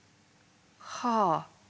はあ。